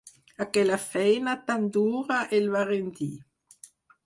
Aquella feina tan dura el va rendir.